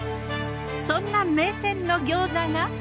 そんな名店の餃子が。